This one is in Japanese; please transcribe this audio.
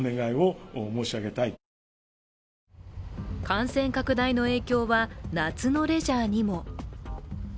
感染拡大の影響は夏のレジャーにも。